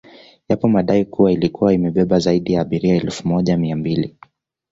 Yapo madai kuwa ilikuwa imebeba zaidi ya abiria elfu moja mia mbili